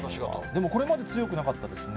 でもこれまで強くなかったですね。